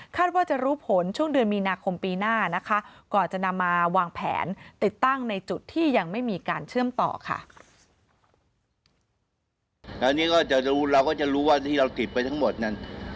ว่าจะรู้ผลช่วงเดือนมีนาคมปีหน้านะคะก่อนจะนำมาวางแผนติดตั้งในจุดที่ยังไม่มีการเชื่อมต่อค่ะ